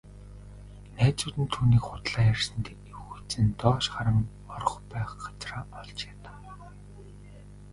Найзууд нь түүнийг худлаа ярьсанд эвгүйцэн доош харан орох байх газраа олж ядав.